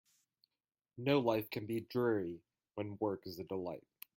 No life can be dreary when work is a delight.